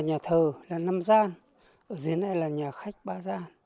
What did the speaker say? nhà thờ là năm gian ở dưới này là nhà khách ba gian